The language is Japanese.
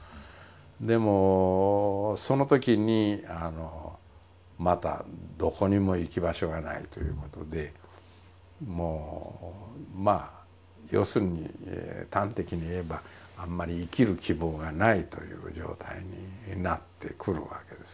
でもそのときにまたどこにも行き場所がないということでもうまあ要するに端的に言えばあんまり生きる希望がないという状態になってくるわけですね。